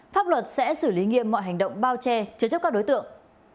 pháp luật sẽ xử lý nghiêm mọi hành động bao che chứa chấp các đối tượng